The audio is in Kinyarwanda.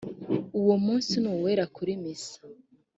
uwo munsi ni uwera kuri misa